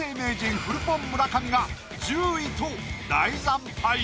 フルポン・村上が１０位と大惨敗。